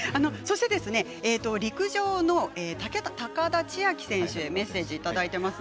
陸上の高田千明選手にメッセージいただいています。